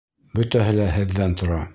Бөтәһе лә һеҙҙән тора.